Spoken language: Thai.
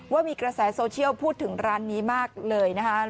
ว่ามีกระแสโซเชียลพูดถึงร้านนี้มากเลยนะคะ